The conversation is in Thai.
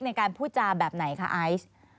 ในการพูดจาแบบไหนคะไอซ์